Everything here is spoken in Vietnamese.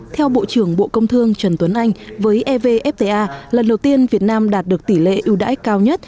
theo bộ trưởng bộ công thương trần tuấn anh với evfta lần đầu tiên việt nam đạt được tỷ lệ ưu đãi cao nhất